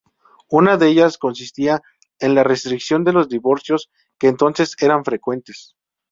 Una de ellas consistía en la restricción de los divorcios, que entonces eran frecuentes.